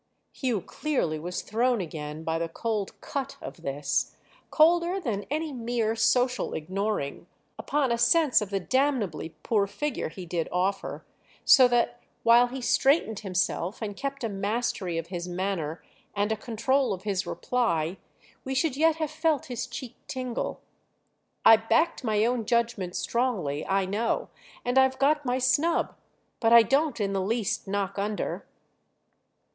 Hugh clearly was thrown again, by the cold "cut" of this, colder than any mere social ignoring, upon a sense of the damnably poor figure he did offer; so that, while he straightened himself and kept a mastery of his manner and a control of his reply, we should yet have felt his cheek tingle. "I backed my own judgment strongly, I know—and I've got my snub. But I don't in the least knock under."